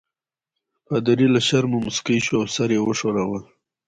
پادري له شرمه مسکی شو او سر یې وښوراوه.